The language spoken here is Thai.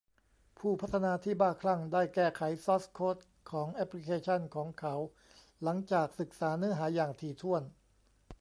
ผู้พัฒนาที่บ้าคลั่งได้แก้ไขซอร์สโค้ดของแอปพลิเคชันของเขาหลังจากศึกษาเนื้อหาอย่างถี่ถ้วน